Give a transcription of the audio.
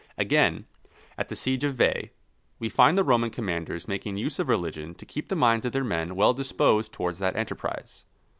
Again, at the siege of Veii, we find the Roman commanders making use of religion to keep the minds of their men well disposed towards that enterprise.